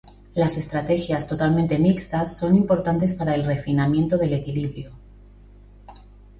Las estrategias totalmente mixtas son importantes para el refinamiento del equilibrio.